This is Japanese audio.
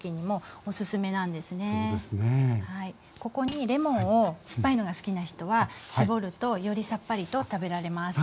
ここにレモンを酸っぱいのが好きな人は搾るとよりさっぱりと食べられます。